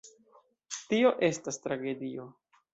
Tio estas tragedio.